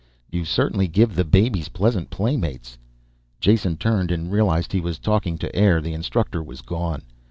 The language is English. "You certainly give the babies pleasant playmates." Jason turned and realized he was talking to the air, the instructor was gone.